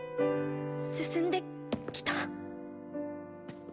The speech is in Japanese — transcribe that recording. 進んできた。